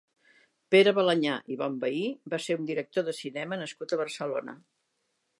Pere Balañà i Bonvehí va ser un director de cinema nascut a Barcelona.